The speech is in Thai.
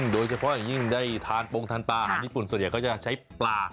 โดยเฉพาะอย่างยิ่งได้ทานปงทานปลาอาหารญี่ปุ่นส่วนใหญ่เขาจะใช้ปลา